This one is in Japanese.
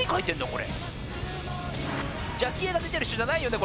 これジャッキー映画出てる人じゃないよね？